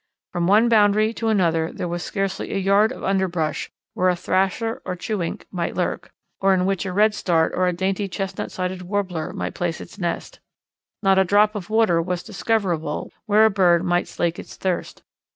From one boundary to another there was scarcely a yard of underbrush where a Thrasher or Chewink might lurk, or in which a Redstart, or a dainty Chestnut sided Warbler, might place its nest. Not a drop of water was discoverable, where a bird might slake its thirst.